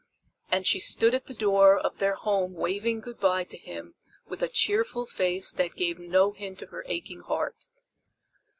And she stood at the door of their home waving good by to him with a cheerful face that gave no hint of her aching heart.